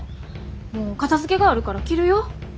もう片づけがあるから切るよ。